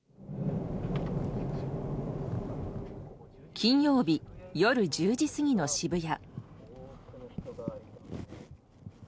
金曜日、夜１０時過ぎの渋谷。